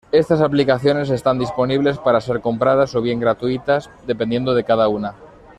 Estas aplicaciones están disponibles para ser compradas o bien gratuitas, dependiendo de cada una.